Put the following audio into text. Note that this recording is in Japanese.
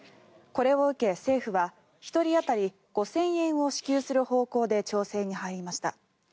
これを受け、政府は１人当たり５０００円を支給する方向で調整に入りました。